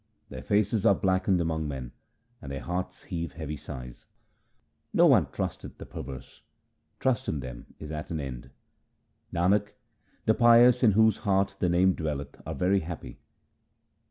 Their faces are blackened among men, and their hearts heave heavy sighs. No one trusteth the perverse ; trust in them is at an end. Nanak, the pious in whose heart the Name dwelleth are very happy.